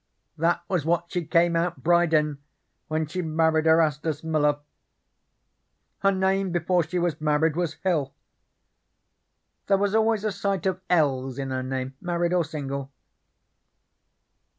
That was what she came out bride in when she married Erastus Miller. Her name before she was married was Hill. There was always a sight of "l's" in her name, married or single.